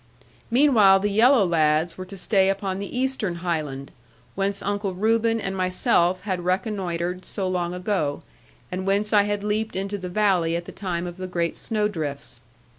Meanwhile the yellow lads were to stay upon the eastern highland, whence Uncle Reuben and myself had reconnoitred so long ago; and whence I had leaped into the valley at the time of the great snow drifts.